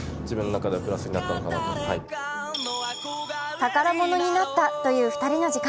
宝物になったという２人の時間。